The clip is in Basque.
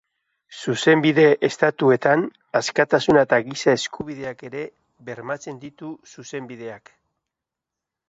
Zuzenbide-estatuetan, askatasuna eta giza eskubideak ere bermatzen ditu zuzenbideak.